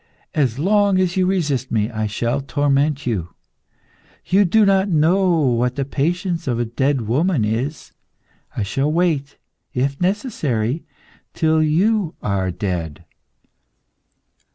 As long as you resist me I shall torment you. You do not know what the patience of a dead woman is. I shall wait, if necessary, till you are dead.